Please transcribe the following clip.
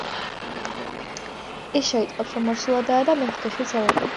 ის შეიტყობს, რომ ორსულადაა და მეხუთე შვილს ელოდება.